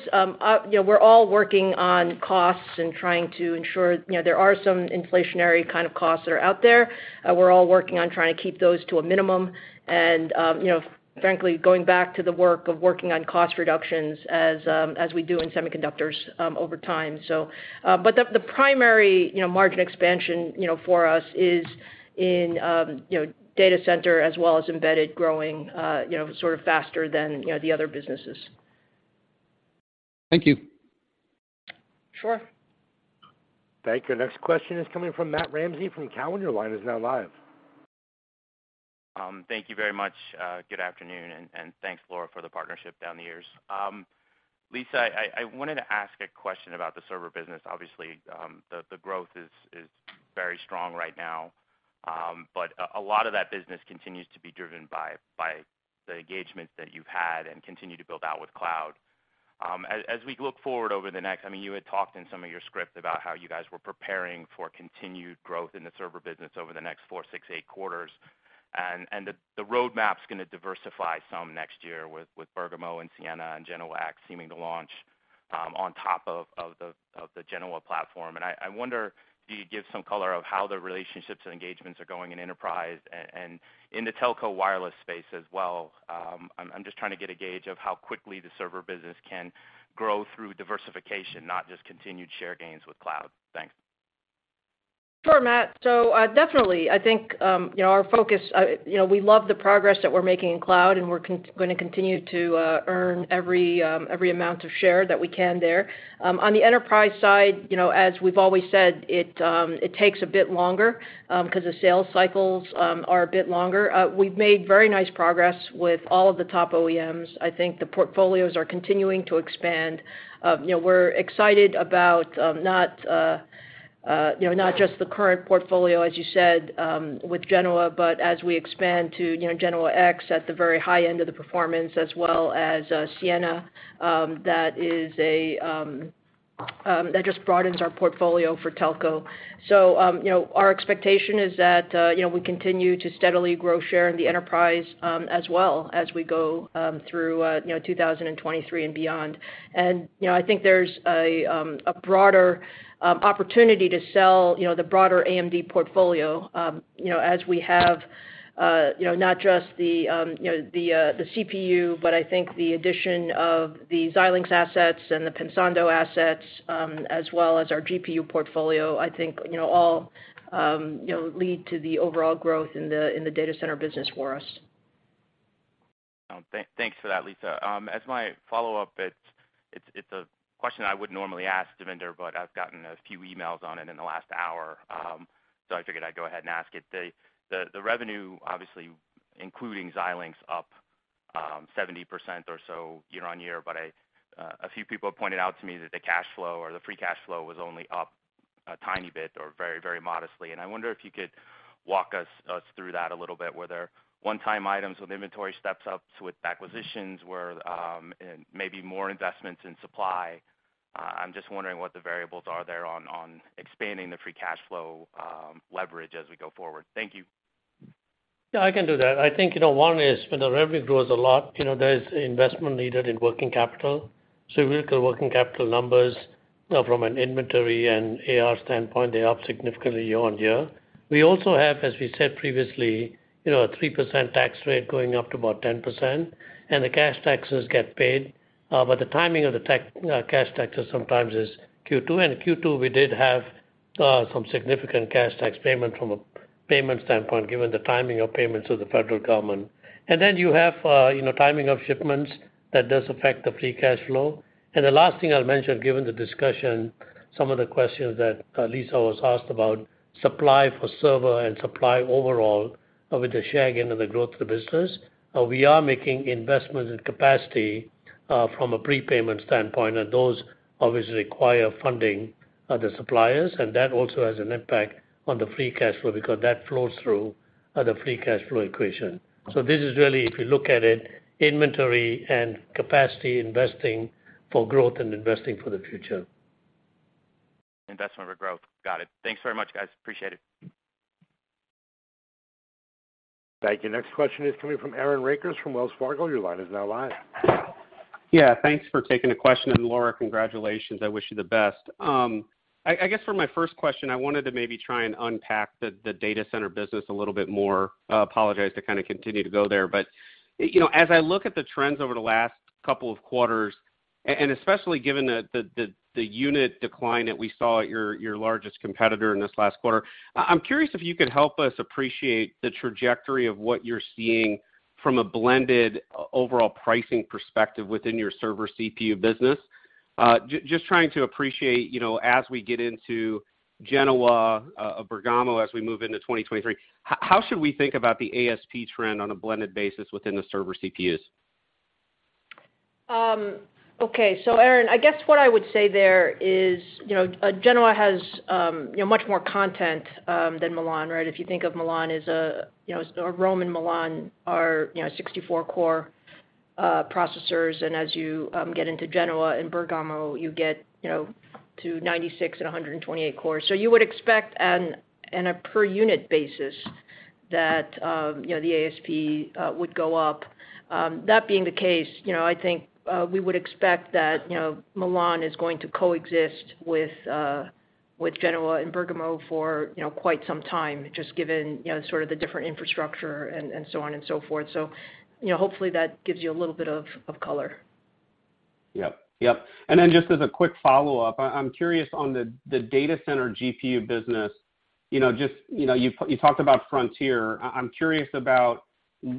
you know, we're all working on costs and trying to ensure, you know, there are some inflationary kind of costs that are out there. We're all working on trying to keep those to a minimum and, you know, frankly, going back to the work of working on cost reductions as we do in semiconductors over time. The primary, you know, margin expansion, you know, for us is in, you know, data center as well as embedded growing, you know, sort of faster than, you know, the other businesses.
Thank you.
Sure.
Thank you. Next question is coming from Matt Ramsay from Cowen. Your line is now live.
Thank you very much. Good afternoon, and thanks, Laura, for the partnership down the years. Lisa, I wanted to ask a question about the server business. Obviously, the growth is very strong right now, but a lot of that business continues to be driven by the engagements that you've had and continue to build out with cloud. As we look forward, I mean, you had talked in some of your script about how you guys were preparing for continued growth in the server business over the next 4, 6, 8 quarters. The roadmap's gonna diversify some next year with Bergamo and Siena and Genoa-X seeming to launch on top of the Genoa platform. I wonder, can you give some color on how the relationships and engagements are going in enterprise and in the telco wireless space as well. I'm just trying to get a gauge of how quickly the server business can grow through diversification, not just continued share gains with cloud. Thanks.
Sure, Matt. Definitely, I think, you know, our focus, you know, we love the progress that we're making in cloud, and we're gonna continue to earn every amount of share that we can there. On the enterprise side, you know, as we've always said, it takes a bit longer, 'cause the sales cycles are a bit longer. We've made very nice progress with all of the top OEMs. I think the portfolios are continuing to expand. You know, we're excited about, not just the current portfolio, as you said, with Genoa, but as we expand to, you know, Genoa-X at the very high end of the performance as well as, Siena, that just broadens our portfolio for telco. Our expectation is that we continue to steadily grow share in the enterprise as well as we go through 2023 and beyond. I think there's a broader opportunity to sell the broader AMD portfolio as we have not just the CPU, but I think the addition of the Xilinx assets and the Pensando assets as well as our GPU portfolio. I think all lead to the overall growth in the data center business for us.
Thanks for that, Lisa. As my follow-up, it's a question I wouldn't normally ask Devinder, but I've gotten a few emails on it in the last hour, so I figured I'd go ahead and ask it. The revenue obviously including Xilinx up 70% or so year-on-year, but a few people have pointed out to me that the cash flow or the free cash flow was only up a tiny bit or very, very modestly. I wonder if you could walk us through that a little bit. Were there one-time items with inventory steps up to acquisitions where, and maybe more investments in supply? I'm just wondering what the variables are there on expanding the free cash flow leverage as we go forward. Thank you.
Yeah, I can do that. I think, you know, one is when the revenue grows a lot, you know, there's investment needed in working capital. Working capital numbers from an inventory and AR standpoint, they're up significantly year-over-year. We also have, as we said previously, you know, a 3% tax rate going up to about 10%, and the cash taxes get paid. The timing of the tax cash taxes sometimes is Q2, and Q2 we did have some significant cash tax payment from a payment standpoint given the timing of payments to the federal government. You have, you know, timing of shipments that does affect the free cash flow. The last thing I'll mention, given the discussion, some of the questions that Lisa was asked about supply for server and supply overall with the share gain and the growth of the business, we are making investments in capacity, from a prepayment standpoint, and those obviously require funding of the suppliers, and that also has an impact on the free cash flow because that flows through the free cash flow equation. This is really, if you look at it, inventory and capacity investing for growth and investing for the future.
Investment for growth. Got it. Thanks very much, guys. Appreciate it.
Thank you. Next question is coming from Aaron Rakers from Wells Fargo. Your line is now live.
Yeah. Thanks for taking the question. Laura, congratulations, I wish you the best. I guess for my first question, I wanted to maybe try and unpack the data center business a little bit more. I apologize to kinda continue to go there, but you know, as I look at the trends over the last couple of quarters, and especially given the unit decline that we saw at your largest competitor in this last quarter, I'm curious if you could help us appreciate the trajectory of what you're seeing from a blended overall pricing perspective within your server CPU business. Just trying to appreciate, you know, as we get into Genoa, Bergamo as we move into 2023, how should we think about the ASP trend on a blended basis within the server CPUs?
Okay. Aaron, I guess what I would say there is, you know, Genoa has, you know, much more content than Milan, right? If you think of Milan as a, you know, or Rome and Milan are, you know, 64-core processors, and as you get into Genoa and Bergamo, you get, you know, to 96 and 128 cores. You would expect on a per unit basis that, you know, the ASP would go up. That being the case, you know, I think we would expect that, you know, Milan is going to coexist with Genoa and Bergamo for, you know, quite some time, just given, you know, sort of the different infrastructure and so on and so forth. Hopefully, that gives you a little bit of color.
Yep. Yep. Just as a quick follow-up, I'm curious on the data center GPU business. You know, just, you know, you talked about Frontier. I'm curious about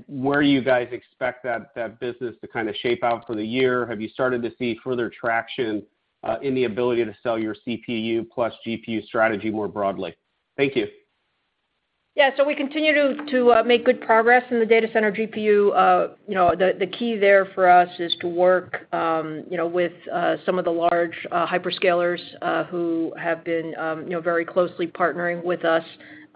where you guys expect that business to kind of shape out for the year. Have you started to see further traction in the ability to sell your CPU plus GPU strategy more broadly? Thank you.
Yeah. We continue to make good progress in the data center GPU. You know, the key there for us is to work, you know, with some of the large hyperscalers who have been, you know, very closely partnering with us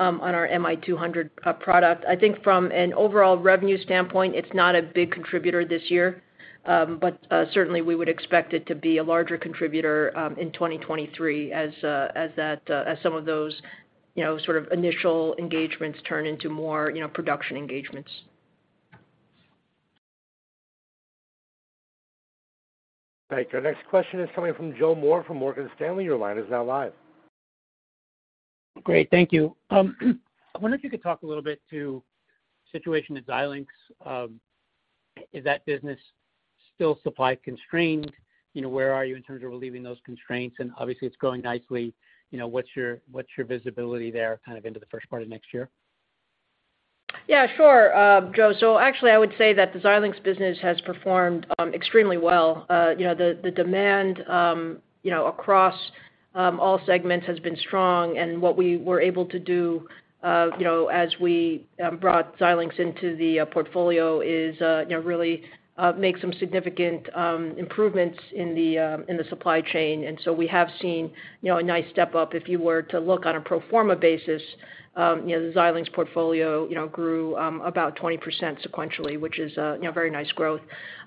on our MI200 product. I think from an overall revenue standpoint, it's not a big contributor this year. But certainly we would expect it to be a larger contributor in 2023 as some of those, you know, sort of initial engagements turn into more, you know, production engagements.
Right. Our next question is coming from Joseph Moore from Morgan Stanley. Your line is now live.
Great. Thank you. I wonder if you could talk a little bit to situation at Xilinx? Is that business still supply constrained? You know, where are you in terms of relieving those constraints? Obviously, it's growing nicely. You know, what's your visibility there kind of into the first part of next year?
Yeah. Sure, Joe. Actually I would say that the Xilinx business has performed extremely well. You know, the demand, you know, across all segments has been strong. What we were able to do, you know, as we brought Xilinx into the portfolio is, you know, really make some significant improvements in the supply chain. We have seen, you know, a nice step up. If you were to look on a pro forma basis, you know, the Xilinx portfolio, you know, grew about 20% sequentially, which is, you know, very nice growth.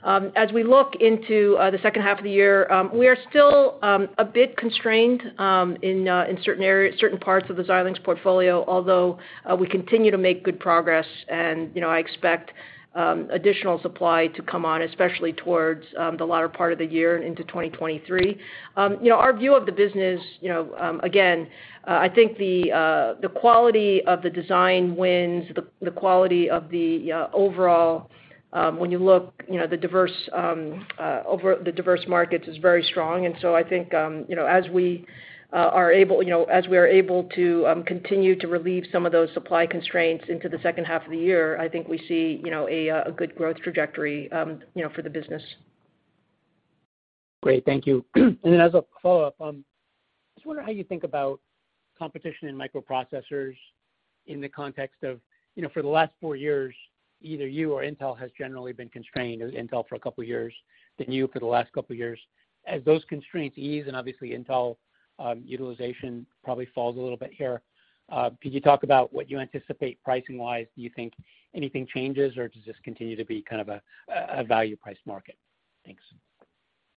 As we look into the second half of the year, we are still a bit constrained in certain parts of the Xilinx portfolio, although we continue to make good progress and, you know, I expect additional supply to come on, especially towards the latter part of the year and into 2023. You know, our view of the business, you know, again, I think the quality of the design wins, the quality of the overall, when you look, you know, the diverse markets is very strong. I think, you know, as we are able to continue to relieve some of those supply constraints into the second half of the year, I think we see, you know, a good growth trajectory, you know, for the business.
Great. Thank you. As a follow-up, I was wondering how you think about competition in microprocessors in the context of, you know, for the last four years, either you or Intel has generally been constrained, it was Intel for a couple of years, then you for the last couple of years. As those constraints ease and obviously Intel utilization probably falls a little bit here, could you talk about what you anticipate pricing-wise? Do you think anything changes, or does this continue to be kind of a value price market? Thanks.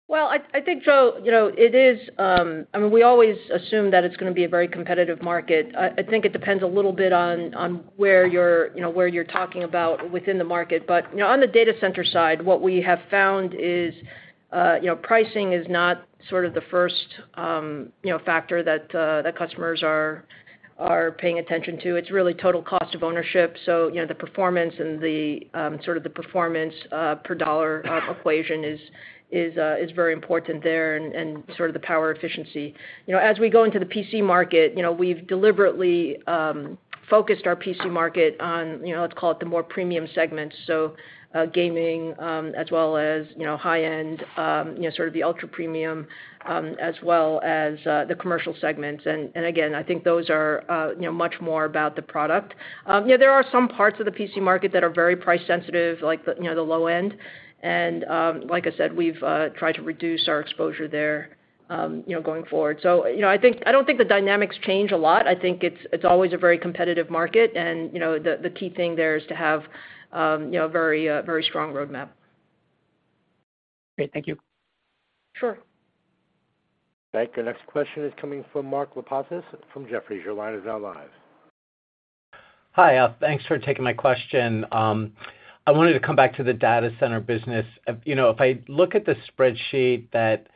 Well, I think, Joe, you know, I mean, we always assume that it's gonna be a very competitive market. I think it depends a little bit on where you're, you know, talking about within the market. You know, on the data center side, what we have found is, you know, pricing is not sort of the first, you know, factor that customers are paying attention to. It's really total cost of ownership. You know, the performance and the sort of the performance per dollar equation is very important there and sort of the power efficiency. You know, as we go into the PC market, you know, we've deliberately focused our PC market on, you know, let's call it the more premium segments, so gaming, as well as, you know, high-end, you know, sort of the ultra-premium, as well as the commercial segments. And again, I think those are, you know, much more about the product. You know, there are some parts of the PC market that are very price sensitive, like the, you know, the low end. Like I said, we've tried to reduce our exposure there, you know, going forward. You know, I think I don't think the dynamics change a lot. I think it's always a very competitive market and, you know, the key thing there is to have, you know, very strong roadmap.
Great. Thank you.
Sure.
Right. The next question is coming from Mark Lipacis from Jefferies. Your line is now live.
Hi. Thanks for taking my question. I wanted to come back to the data center business. You know, if I look at the spreadsheet that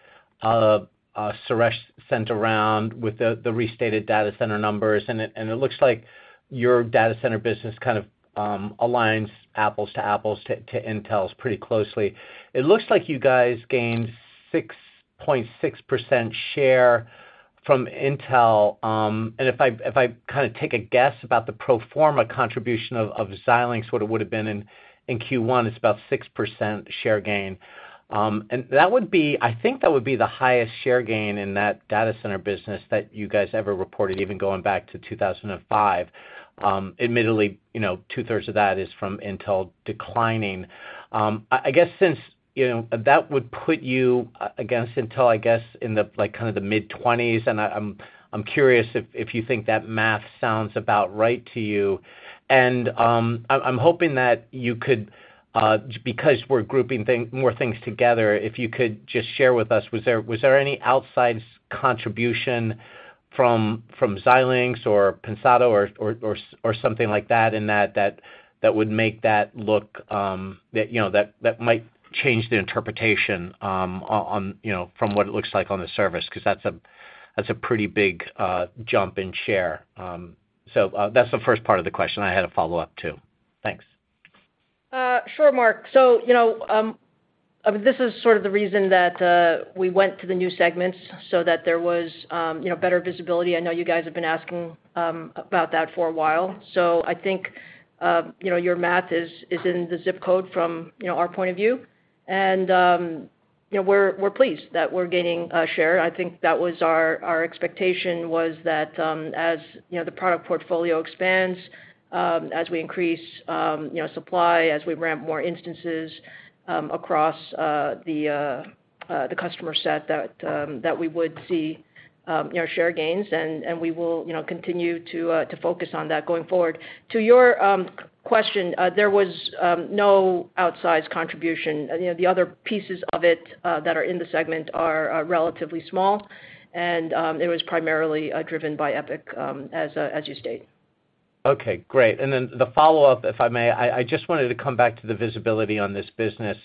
Suresh sent around with the restated data center numbers, and it looks like your data center business kind of aligns apples to apples to Intel's pretty closely. It looks like you guys gained 6.6% share from Intel. If I kinda take a guess about the pro forma contribution of Xilinx, what it would've been in Q1, it's about 6% share gain. That would be. I think that would be the highest share gain in that data center business that you guys ever reported, even going back to 2005. Admittedly, you know, 2/3 of that is from Intel declining. I guess since, you know, that would put you against Intel, I guess, in the, like, kinda the mid-20s, and I'm curious if you think that math sounds about right to you. I'm hoping that you could, because we're grouping more things together, if you could just share with us, was there any outside contribution from Xilinx or Pensando or something like that in that that would make that look, you know, that might change the interpretation, on, you know, from what it looks like on the surface? 'Cause that's a pretty big jump in share. So, that's the first part of the question. I had a follow-up too. Thanks.
Sure, Mark. This is sort of the reason that we went to the new segments so that there was you know, better visibility. I know you guys have been asking about that for a while. I think you know, your math is in the zip code from our point of view. We're pleased that we're gaining share. I think that was our expectation was that as you know, the product portfolio expands, as we increase you know, supply, as we ramp more instances across the customer set that we would see you know, share gains, and we will you know, continue to focus on that going forward. To your question, there was no outsized contribution. You know, the other pieces of it that are in the segment are relatively small, and it was primarily driven by EPYC, as you state.
Okay, great. Then the follow-up, if I may, I just wanted to come back to the visibility on this business.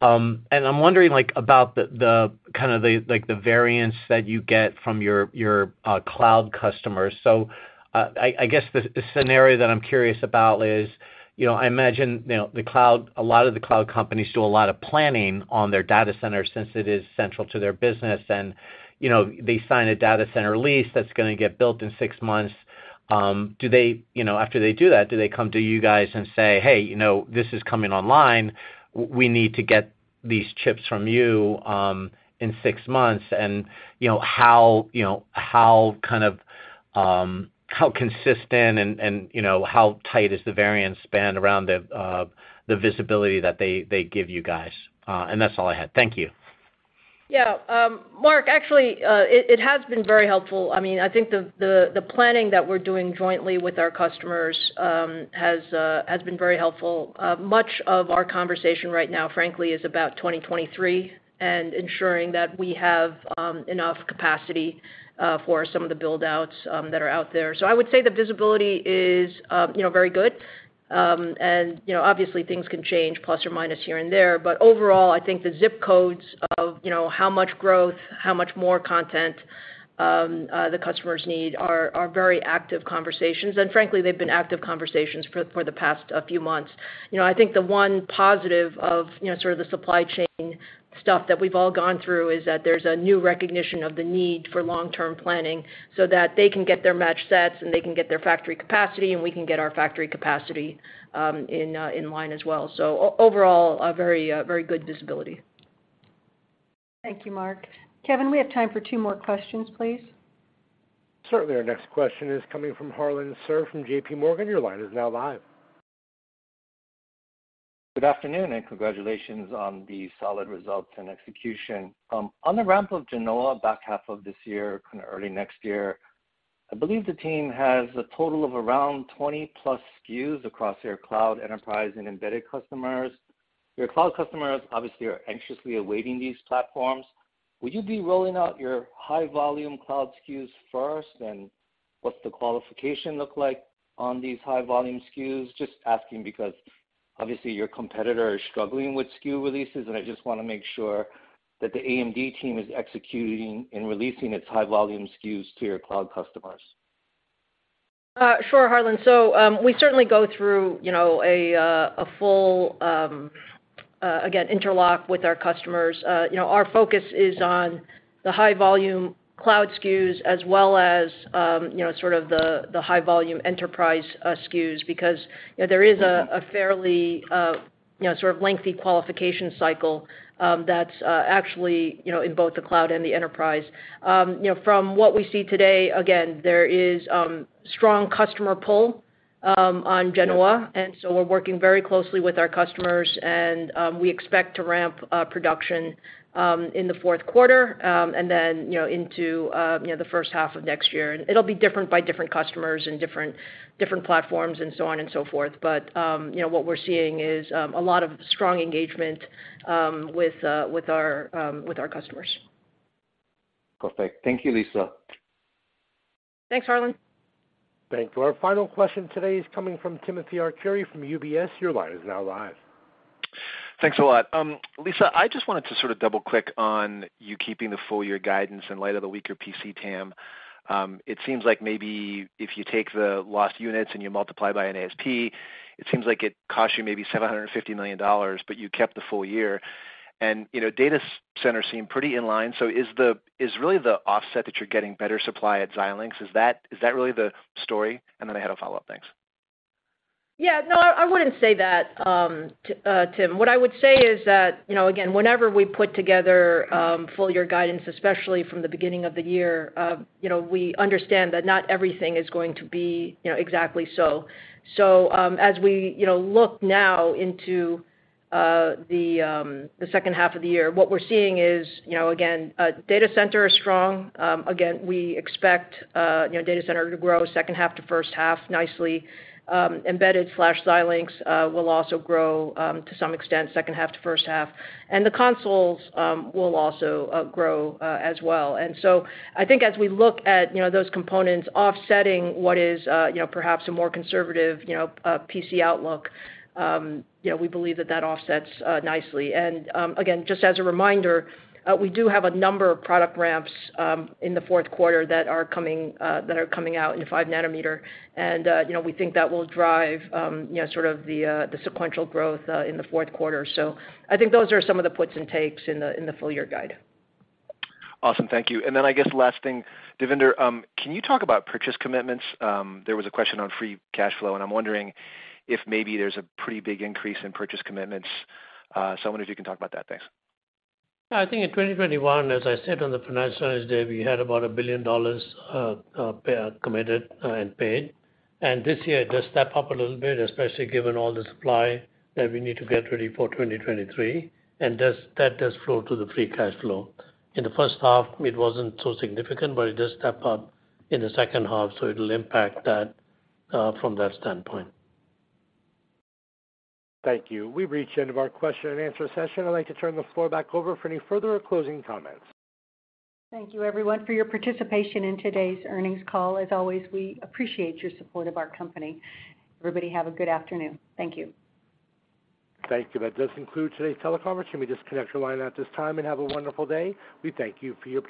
I'm wondering like about the kind of variance that you get from your cloud customers. I guess the scenario that I'm curious about is, you know, I imagine, you know, the cloud, a lot of the cloud companies do a lot of planning on their data centers since it is central to their business. You know, they sign a data center lease that's gonna get built in six months. Do they, you know, after they do that, do they come to you guys and say, "Hey, you know, this is coming online"? We need to get these chips from you in 6 months." You know, how consistent and you know, how tight is the variance span around the visibility that they give you guys? And that's all I had. Thank you.
Yeah. Mark, actually, it has been very helpful. I mean, I think the planning that we're doing jointly with our customers has been very helpful. Much of our conversation right now, frankly, is about 2023 and ensuring that we have enough capacity for some of the build-outs that are out there. I would say the visibility is, you know, very good. You know, obviously things can change plus or minus here and there. But overall, I think the zip codes of, you know, how much growth, how much more content the customers need are very active conversations. Frankly, they've been active conversations for the past few months. You know, I think the one positive of, you know, sort of the supply chain stuff that we've all gone through is that there's a new recognition of the need for long-term planning so that they can get their match sets, and they can get their factory capacity, and we can get our factory capacity, in line as well. Overall, a very good visibility.
Thank you, Mark. Kevin, we have time for two more questions, please.
Certainly. Our next question is coming from Harlan Sur from JPMorgan. Your line is now live.
Good afternoon, and congratulations on the solid results and execution. On the ramp of Genoa back half of this year, kinda early next year, I believe the team has a total of around 20+ SKUs across your cloud enterprise and embedded customers. Your cloud customers obviously are anxiously awaiting these platforms. Would you be rolling out your high volume cloud SKUs first? What's the qualification look like on these high volume SKUs? Just asking because obviously your competitor is struggling with SKU releases, and I just wanna make sure that the AMD team is executing and releasing its high volume SKUs to your cloud customers.
Sure, Harlan. We certainly go through, you know, a full, again, interlock with our customers. You know, our focus is on the high volume cloud SKUs as well as, you know, sort of the high volume enterprise SKUs because, you know, there is a fairly, you know, sort of lengthy qualification cycle, that's actually, you know, in both the cloud and the enterprise. You know, from what we see today, again, there is strong customer pull on Genoa, and so we're working very closely with our customers, and we expect to ramp production in the fourth quarter, and then, you know, into the first half of next year. It'll be different by different customers and different platforms and so on and so forth. You know, what we're seeing is a lot of strong engagement with our customers.
Perfect. Thank you, Lisa.
Thanks, Harlan.
Thank you. Our final question today is coming from Timothy Arcuri from UBS. Your line is now live.
Thanks a lot. Lisa, I just wanted to sort of double-click on your keeping the full year guidance in light of the weaker PC TAM. It seems like maybe if you take the lost units and you multiply by an ASP, it seems like it costs you maybe $750 million, but you kept the full year. You know, data centers seem pretty in line. So really the offset that you're getting better supply at Xilinx? Is that really the story? I had a follow-up. Thanks.
Yeah. No, I wouldn't say that, Tim. What I would say is that, you know, again, whenever we put together full year guidance, especially from the beginning of the year, you know, we understand that not everything is going to be, you know, exactly so. As we, you know, look now into the second half of the year, what we're seeing is, you know, again, data center is strong. Again, we expect, you know, data center to grow second half to first half nicely. Embedded/Xilinx will also grow, to some extent, second half to first half. The consoles will also grow as well. I think as we look at, you know, those components offsetting what is, you know, perhaps a more conservative, you know, PC outlook, you know, we believe that that offsets nicely. Again, just as a reminder, we do have a number of product ramps in the fourth quarter that are coming out in 5 nm. You know, we think that will drive, you know, sort of the sequential growth in the fourth quarter. I think those are some of the puts and takes in the full year guide.
Awesome. Thank you. Then I guess last thing. Devinder, can you talk about purchase commitments? There was a question on free cash flow, and I'm wondering if maybe there's a pretty big increase in purchase commitments. I wonder if you can talk about that. Thanks.
I think in 2021, as I said on the financial earnings day, we had about $1 billion committed and paid. This year it does step up a little bit, especially given all the supply that we need to get ready for 2023, and that does flow to the free cash flow. In the first half, it wasn't so significant, but it does step up in the second half, so it'll impact that from that standpoint.
Thank you. We've reached the end of our question-and-answer session. I'd like to turn the floor back over for any further closing comments.
Thank you everyone for your participation in today's earnings call. As always, we appreciate your support of our company. Everybody have a good afternoon. Thank you.
Thank you. That does conclude today's teleconference. You may disconnect your line at this time and have a wonderful day. We thank you for your participation.